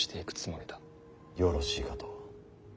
よろしいかと。